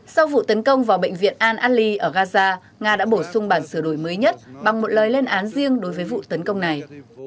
sau vụ tấn công vào bệnh viện al ali ở gaza nga đã bổ sung bản sửa đổi mới nhất bằng một lời lên án riêng đối với vụ tấn công này